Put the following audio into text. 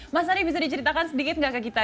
mas ade bisa diceritakan sedikit gak ke kita